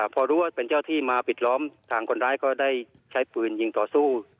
พอรู้ว่าเป็นเจ้าที่มาปิดล้อมทางคนร้ายก็ได้ใช้ปืนยิงต่อสู้